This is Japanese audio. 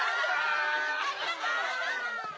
・ありがとう！